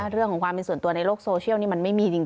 เรื่องของความเป็นส่วนตัวในโลกโซเชียลนี่มันไม่มีจริง